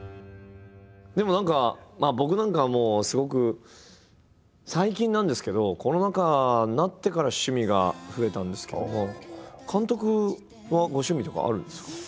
でも何か僕なんかはもうすごく最近なんですけどコロナ禍になってから趣味が増えたんですけども監督はご趣味とかはあるんですか？